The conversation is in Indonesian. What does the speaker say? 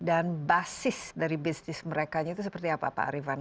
dan basis dari bisnis mereka itu seperti apa pak ariefan